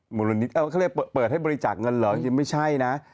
มูลนิธิเขาเรียกเปิดให้บริจาคเงินเหรอยังไม่ใช่นะ